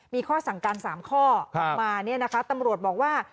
มีข้อสั่งการ๓ข้อออกมาเนี่ยนะคะตำรวจบอกว่า